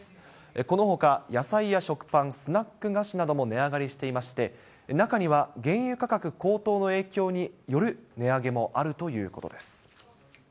このほか、野菜や食パン、スナック菓子なども値上がりしていまして、中には原油価格高騰の影響による値上げもあるということです。